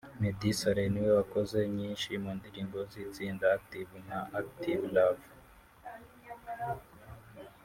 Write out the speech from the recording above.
Meddy Saleh ni we wakoze nyinshi mu ndirimbo z’itsinda Active nka Active Love